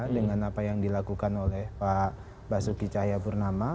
dengan apa yang dilakukan oleh pak basuki cahayapurnama